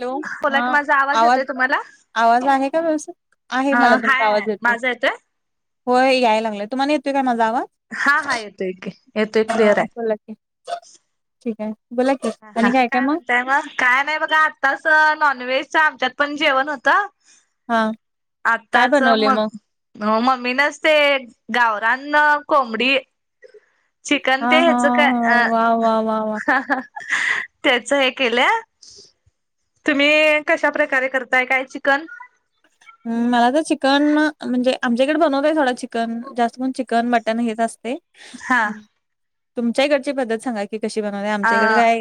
Hello बोला की हां माझा आवाज आवांज येतोय तुम्हाला? आवांज आहे कां व्यवस्थीत आहे अ मलां तुमचा हाय आवांज येतोय माझा होयं यांयला लागलांय तुम्हांला येतोय कां माझां आवांज हां हां येतोय येतोय क्लिअर आहे. बोलां की ठीक आहे बोलां की आणि कायं कायं मंग कायं नाहीं बघां आत्ताचं नॉनव्हेजचं आमच्यांत पणं जेवणं होतं हां आताचं मगं मम्मी नं ते गावरांन कोंबडी चिकन हा ते हा हेच काय हा अ वा वा वा वा हा हा त्याच हे केल्या तुम्ही कशा प्रकारे करताय काय चिकन? मला तर चिकन म्हणजे आमच्याकडे बनवतय थोडं चिकन जास्त करून चिकन मटन हेच असते हा. तुमच्या ही कडची पद्धत सांगा की कशी बनता अ आमच्या कडे काय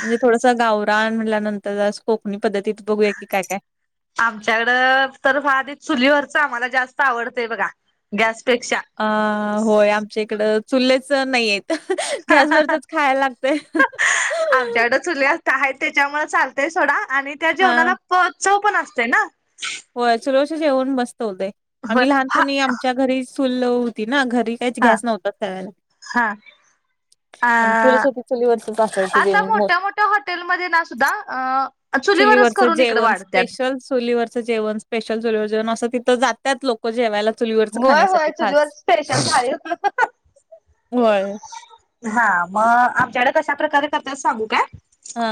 म्हणजे थोडस गावरा म्हणल्यानंतर जरा कोकणी पद्धतीत बघूया की काय काय आमच्याकडं तर पहा ते चुलीवरच आम्हाला जास्त आवडतंय बघा गॅसपेक्षा अ होय आमच्या इकडं चुललेच नाहीयेत. गॅसवरचच खायला लागते चुला काय त्याच्यामुळे चालतेय सोडा आणि त्या हा जेवणाला प चव पण असते ना होय चुलीवर च जेवण मस्त होतंय हो आम्ही हा लहानपणी आमच्या घरी चूल होती ना घरी तेच हा घॅस नव्हता त्यावेळेला हा आणि अ चुलच होती चुलीवरचच असायचं आता जेवण मोस्ट मोठ्या मोठ्या हॉटेलमध्ये ना सुद्धा अ चुलीवरच चुलीवरचं करून इकडे जेवण, वाढत्यात. स्पेशल चुलीवरचं जेवण, स्पेशल चुलीवर जेवण असं तिथं जात्यात लो क जेवायला चुलीवरच होय होय खाण्यासाठी चुलीवर खास, स्पेशल थाळी होतात. होय हा मग आमच्याकडे कशा प्रकारे करतोय सांगू का? हा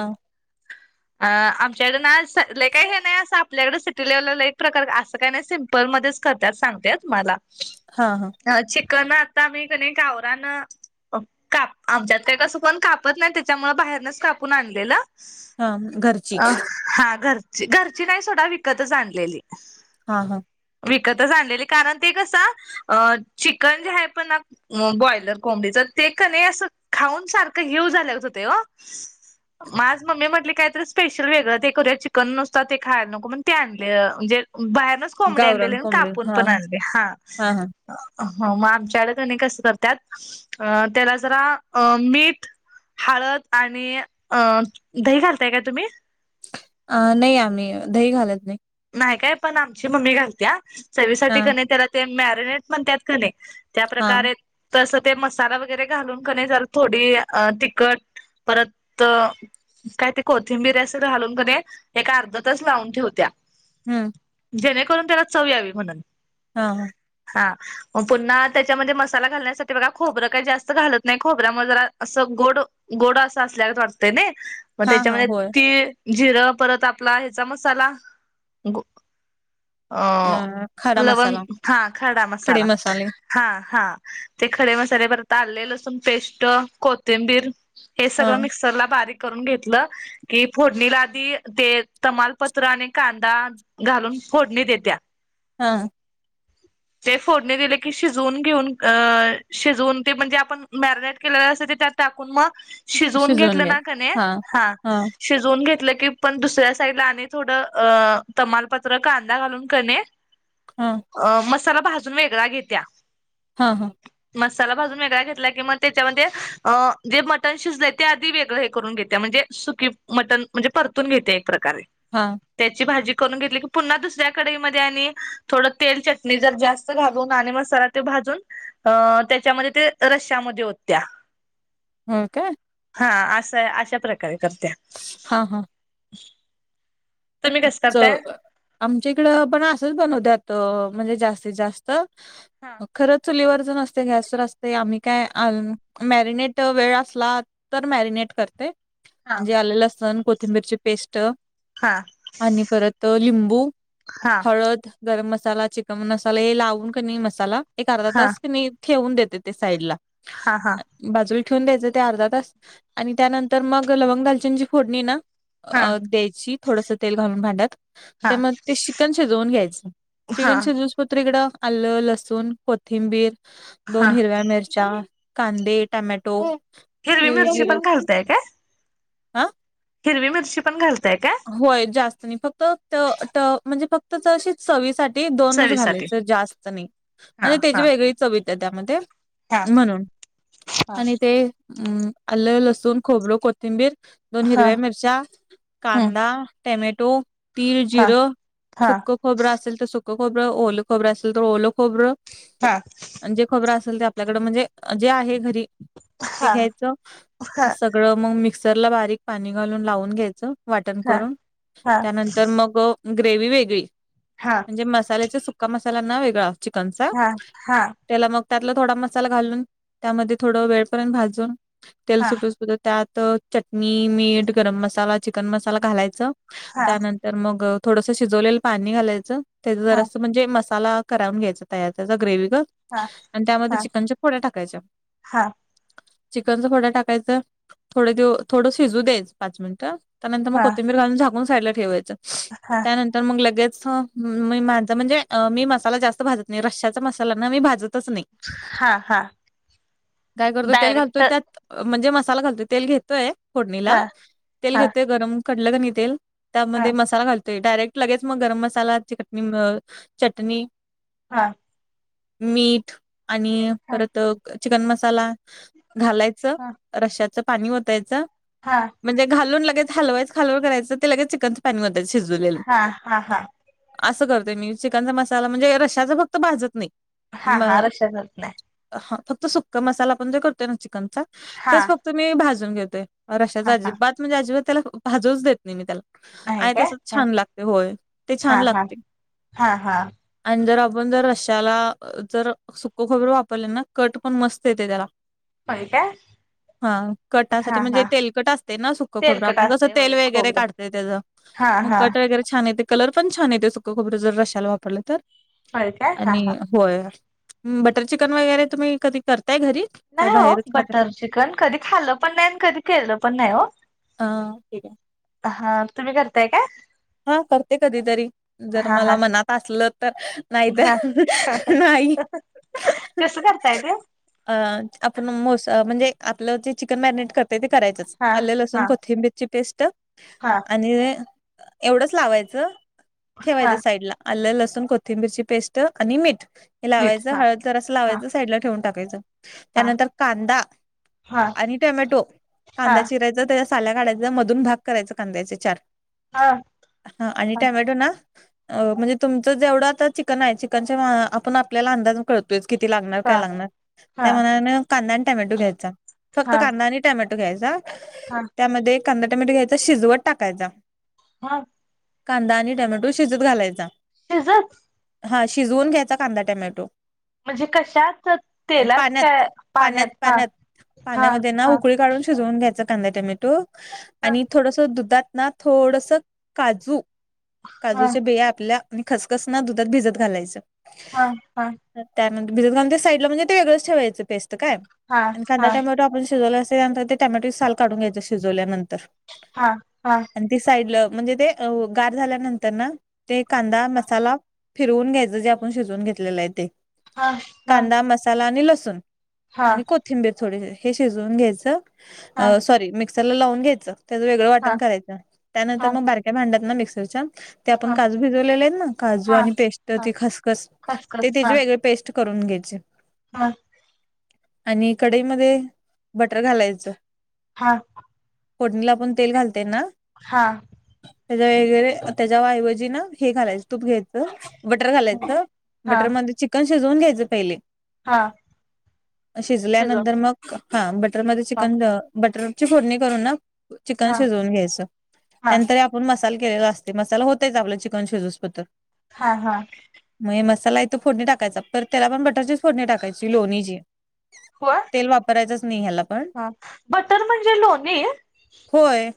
आ आमच्याकड नाही सा लय काही हे नाही अस आ पल्याकडे सुटीवर आल्यावर प्रकार असं काही नाही सिम्पल मध्येच करत्यात सांगते अ तुम्हाला हा हा चिकन आता मी का नाही गावरान काप आमच्यात काही कसं कोण कापत नाही त्याच्यामुळ बाहेरनच कापून आणलेलं. हा घर अ हा घरची घरची नाही सोडा विकतच आणलेली. हा हा विकतच आणलेली कारण ते कसं अ चिकन जे आहे पण न मग ब्रॉईलर कोंबडीच ते क नाही असं खाऊन सारखं घ्यव झालं होतं ओ. माझ मम्मी म्हटली काय तरी स्पेशल वेगळं ते करूया चिकन नुसत ते खायला नको म्हणून ते आणलं म्हणजे बाहेर कोंबडी गावरान आणलेले आणि कोंबडी कापून हा पण आणली, हा हा हा हा मग आमच्याकडे का नाही कसं करत्यात अ त्याला जरा अ मीठ हळद आणि अ दही घालताय काय तुम्ही? अ नाही आम्ही दही घालत नाही. नाही काय, पण आमची मामी घालत्या चवी साठी हा का नाही तेला ते मॅरिनेट म्हणत्यात का नाही त्या हा प्रकारे तसं ते मसाला वगैरे घालून का नाही त्याला थोडी तिखट परत काय ते कोथिंबीर असं घालून का नाही एक अर्धा तास लावून ठेवत्या. हम्म जेणेकरून त्याला चव यावी म्हणून. हा हा हा मग पुन्हा त्याच्यामध्ये मसाला घालण्यासाठी बघा खोबरं काही जास्त घालत नाही, खोबऱ्यामुळे जरा असं गोड गोड असं असल्यावर वाटतंय नई? म हा हा त्याच्यामध्ये होय तीळ, जिरं परत आपला ह्याचा मसाला - गो अ खडा लवंग, मसाला, हां खडा खडे मसाला. मसाले हां. हां. ते खडे मसाले. परत आले, लसूण पेस्ट. कोथिंबीर- हे सगळ हां, मिक्सर ला बारीक - करून घेतलं की, फोडणीला आधी ते तमालपत्र आणि कां- -दा घालून फोडणी देत्या. हां. ते फोडणी दिले की शिजवून घेऊन, अ शिजवून ते म्हणजे आपण मॅरिनेट केलेलं असेल ते त्यात- टाकून म शिजवून घेतलं ना का नाही? हां. शिजवून घेतलं की, पण दुसऱ्या साईड ला आणि थोडं अ- तमालपत्र कांदा घालून कनी - हम. अ मसाला भाजून वेगळा घेत्या. हं. हं. मसाला भाजून वेगळा घेतला कि म त्याच्यामध्ये, अ जे मटन शिजलय ते आधी वेगळं हे करून घेतेया. म्हणजे- सुकी मटण. म्हणजे परतून घेते एक प्रकारे. हां. त्याची भाजी- करून घेतली की पुन्हा दुसऱ्या कढईमध्ये आणि थोडं तेल, चटणी जर जास्त घालून आणि मसाला ते भाजून- अं. त्याच्यामधे ते रश्यामधे ओतत्या. हम का? हां. असय. अशा प्रकारे करत्या. हां. हां. तुम्ही कसं च करताय? आमच्या इकडं पण असंच बनवत्यात म्हणजे जास्तीत जास्त. हा म खरंच चुलीवरच नसतय. गॅसवरच असतय. आम्ही काय आ- मॅरिनेट वेळ असला तर मॅरीनेट करते. हा म्हणजे आले, लसण, कोथिंबीरची- पेस्ट. हां. आणि परत लिंबू, हा हळद. गरम मसाला, चिकन मसाला हे लावून कनी मसाला एक अर्धा हा तास कनी - ठेवून देते ते साईड ला. हां. हां. बाजूला ठेवून द्यायचं ते अर्धा तास. आणि त्यानंतर मग लवंग, दालचन ची फोडणी ना- अ हा द्यायची. थोडस- तेल घालून भांड्यात. हा ते हा म ते चिकन शिजवून घ्यायचं. हा चिकन शिजवून- दुसरीकडं आलं, लसूण, कोथिंबीर, दोन हा हिरव्या मिरच्या- कांदे, टोमॅटो- हिरवी मिरची पण घालताय काय? आं? हिरवी मिरची पण घालताय काय? होय. जास्त नाही. फक्त त त फक्त म्हणजे चवी साठी. ते दोनच चवीसाठी घालायच जास्त नाही. हा म्हणजे त्याची हा वेगळी चव येत्या त्यामध्ये. हा म्हणून हा आणि ते- हम्, आलं लसूण खोबरं कोथिंबीर दोन हा हिरव्या मिरच्या. हम्म कांदा टोमॅटो तिळ हा जिरं हा सुक. खोबरं असेल तर सुख खोबरं ओल खोबरं असेल तर ओलं खोबरं. हा, आणि जे खबरं असेल ते आपल्याकडे म्हणजे जे आहे घरी ते हा घ्यायचं हा सगळ. सगळं मग मिक्सर ला बारीक पाणी घालून लावून घ्यायचं. वाटण हा करून हा त्यानंतर मग ग्रेवी वेगळी. हा, जे मसाल्याचा सुका मसाला ना वेगळा चिकनचा. हा त्याला मग त्यातला थोडा मसाला घालून त्यामध्ये थोडं वेळपर्यंत भाजून तेल हा सुटू पर्यत. त्यात चटणी मीठ गरम मसाला चिकन मसाला घालायच हा त्यानंतर. तर मग थोडस शिजवलेलं पाणी घालायचं त्याच हा जरसं म्हणजे मसाला. करून घ्यायच तयार त्याचा ग्रेवी हा आणि हा त्यामध्ये चिकनच्या फोड्या टाकायच्या. हा चिकनच थोडं टाकायचं थोडं दे थोडं शिजू द्यायच पाच मिनिटं. त्यानंतर मग हा कोथिंबीरालून झाकून साइडला ठेवायचं हा त्यानंतर. तर मग लगेच माझा म्हणजे मी मसाला जास्त भाजत नाही रश्याचा मसाला ना मी भाजत. तच नाही हा हा काय करतो तेल डायरेक्ट घालतोय त्यात. म्हणजे मसाला घालतोय तेल घेतोय हा फोडणीला तेल हा घेतोय गरम कढलं क नाही तेल. हा त्यामध्ये मसाला घालतोय डायरेक्ट लगेच मग गरम मसाला चटणी चटणी. हा, मीठ आणि हा परत चिकन मसाला. घालायचं हा रशाचं पाणी ओतायचं. हा, म्हणजे घालून लगे हलवायच हलव करायचं ते लगे चिकनच पाणी ओतायच मध्ये शिजवलेलं. हा हा हा, असं करते मी चिकनचा मसाला म्हणजे रशाचा फक्त भाजत नाही. हा हा, रशाचत नाही. ह, फक्त सुक्का मसाला पण जे करतोय ना चिकनचा हा तेच फक्त मी भाजून घेतोय. रशाच हा हा अजीबदात म्हजे आजबात त्याला भाजूच देत ''--'' नाही मी त्याला नाही आ काय तसच हा छान लागते होय ते हा छान हा लागते. हा हा आणि जर आपण जर रशाला जर सुक खबर वापरले ना कट पण मस्त येते त्याला. होय काय हा, हा कटासाठी म्हणजे हा तेलकट असते सुक खोबर आप ''--'' तेलकट असते तेल होय वैगर खोबरं काढतय त्याचा हा मग हा कट. वगैरे ये कलर पण छान येते सुंक खोबरं रशाला वापरलं तर. होय काय हा आणि हा होय बटर चिकन वगैरे तुम्ही कधी करताय घरी. काय नाही हो बाहेरच खाताय? बटर चिकन कधी खालं पण नाही आणि कधी केलं पण नाही हो. अ, ठीक आहे. हा, तुम्ही करताय काय. हा, करते कधी तरी. जर हा मला हा मनात असलं तर नाही हा तर नाही. कसं करताय ते. अ आपण मोस म्हणजे आपलं जे चिकन मॅरिनेट करतो. ते करायचंच हा आले लसूण हा कोथिंबीरची पेस्ट. हा, आणि एवढंच लावायचं हा ठेवायचं साईड ला. आल, लसूण, कोथिंबीरची पेस्ट आणि मीठ. हे मीठ लावायच. हा हळद जरास हा लावायच. साईडला ठेवून टाकायच. हा त्यानंतर कांदा हा आणि टोमॅटो हा कांदा चिरायचा त्या काढायचा मधून भाग कांदाायचे चार हा हा आणि टोमॅटो ना अ म्हणजे तुमच जेवढ आता चिकन आहे चिकनच्या आपण आपल्याला अंदाज कळतो. किती लागणार काय हा लागणार. हा त्या मानान कांदा आणि टमॅटो घ्यायचा. फक्त हा कांदा आणि टॅमॅटो घ्यायचा. हा त्यामध्ये कांदा टोमॅटो घ्यायचा शिजवत टाकायचा. हा कांदा आणि टमॅटो शिजत घालायचा. शिजत हा शिजवून घ्यायचा कांदा टमॅटो. म्हणजे कशाच तेलात पाण्यात का पाण्यात. हा हा पाण्यामध्ये ना हा उकळी काढून शिजवून घ्यायचा. कांदा टमॅटो हा आणि थोडस दुधात ना थोडस काजू हा काजूच्या बिया आपल्या आणि खसखस ना दुधात भिजत घालायच. हा हा त्यानंतर भिजत घालून ते साईडला म्हणजे ते वेगळच ठेवायच ते पेस्ट. त काय, हा आणि खांद्या हा टमॅटो आपण शिजवलेला असते त्यानंतर ते टॅमॅटोचे साल काढून घ्यायचे शिजवल्यानंतर. हा हा आणि ते साईडला, म्हणजे ते गार झाल्यानंतर ना ते कांदा मसाला फिरवून घ्यायच जे आपण शिजवून घेतलेल आहे ते. हा कांदा मसाला आणि लसूण हा आणि को थींबीर थोडीसी. हे शिजवून घ्यायच. हा सॉरी मिक्सरला लावून घ्यायच. त्याच वेगळ हा हा वाटण करायच. त्यानंतर हा मग बारक्या भांडात ना मिक्सरच्या ते आपण हा काजू भिजवलेले आहेत ना. काजू हा आणि पेस्ट, हा ती खसखस ते खसखस हा त्याचे वेगळे पेस्ट करून घ्यायचे. हा आणि कढईमध्ये बटर घालायच. हा फोडणीला आपण तेल घालतेय ना. हा त्याच्या वगैरे, त्याच्या वाऐवजी ना हे घालायच. तूप घ्यायच. बटर घालायच. हा बटर मध्ये चिकन शिजवून घ्यायच पहिले. हा शिजवून शिजल्यानंतर मग, हा बटर मध्ये हा चिकन बटरची फोडणी करून ना चिकन हा शिजवून घ्यायच. हा त्यानंतर आपण मसाला केलेला असते. मसाला होतेच आपल चिकन सीजे पतोर. हा हा मग मसाला यथो फोडणी टाकायचा. पतर त्याला पण बटरची फोडणी टाकायची लोणीची. हो तेल वापरायचंच नाही ह्याला पण ह, बटर म्हणजे लोणी. होय.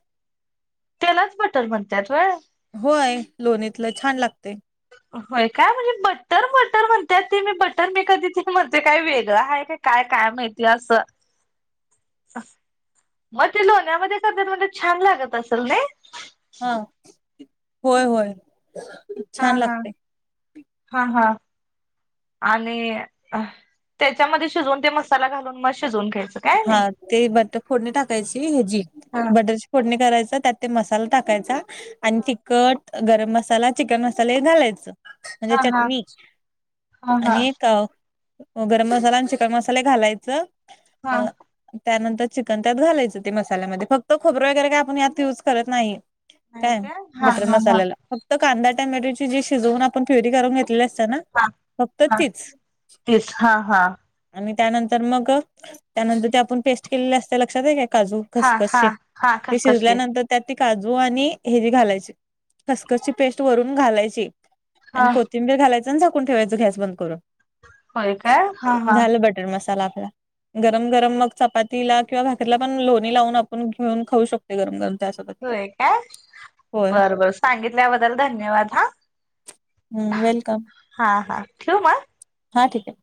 त्यालाच बटर म्हणत्यात व्हय. होय, लोणीतलं छान लागतंय. व्हय काय, म्हणजे बटर बटर म्हणत्यात ते मी बटर मी कधी म्हणते काय वेगळं आहे का. काय काय माहीती असं मग ते लोण्यामध्ये करत्यात म्हणजे छान लागत असेल नाही. हां, होय होय. हा छान हा, लागते हा हा आणि, त्याच्यामध्ये शिजवून ते मसाला घालून मग शिजवून घ्यायचं. काय नाही हा, ते बटर फोडणी टाकायची हेची, हा बटर फोडणी करायचा, त्यात ते मसाला टाकायचा, आणि तिखट गरम मसाला, चिकन मसाले घालायच म्हणजे हा हा चटणी हा हा आणि का ओ, गरम मसाला आणि चिकन मसाले घालायच हा म त्यानंतर चिकन त्यात घालायचं, ते मसाल्यामध्ये फक्त खोबरं वगैरे काय आपण यात युज करत नाही. नाही काय, हा बटर हा हा मसाल्याला. फक्त कांदा टॅमॅटोची जी शिजवून आपण फ्युरी करून घेतलेली असते ना. हा फक्त हा तीच, तेच हा हा आणि त्यानंतर मग त्यानंतर ते आपण पेस्ट केलेली असत्या लक्षात आहे का, काजू हा हा खसखसची हा ते खसखसते शिजल्यानंतर त्यात ती काजू आणि हे जी घालायची खसखसची पेस्ट वरून घालायची. हा आणि कोथिंबीर घालायचं आणि झाकून ठेवायचं गॅस बंद करून. होय काय, हा हा. ते मसाला आपला गरम गरम मग चपातीला किंवा भाकरीला पण लोणी लावून आपण घेऊन खाऊ शक ते गरम गरम त्यासोबत होय काय, होय बरं बरं सांगितल्याबद्दल धन्यवाद हा. वेलकम हा हा, ठेवू मग? हां ठीक आहे.